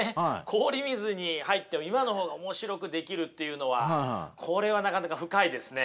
氷水に入っても今の方が面白くできるっていうのはこれはなかなか深いですね。